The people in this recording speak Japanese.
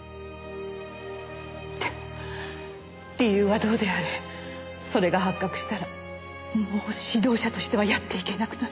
でも理由はどうであれそれが発覚したらもう指導者としてはやっていけなくなる。